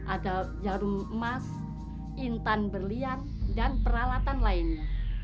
ada jarum emas intan berlian dan peralatan lainnya